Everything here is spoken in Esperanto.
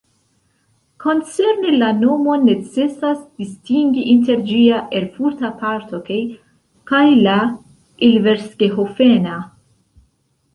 Koncerne la nomon necesas distingi inter ĝia erfurta parto kaj la ilversgehofen-a.